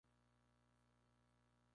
Es un monarca de un reinado breve y oscuro.